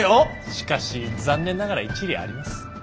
しかし残念ながら一理あります。